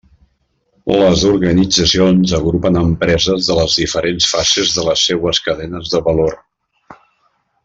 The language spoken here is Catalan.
Les organitzacions agrupen empreses de les diferents fases de les seues cadenes de valor.